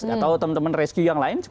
atau teman teman rescue yang lain